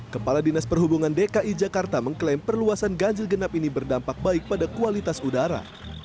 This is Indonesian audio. kepala dinas perhubungan dki jakarta mengklaim perluasan ganjil genap ini berdampak baik pada kualitas udara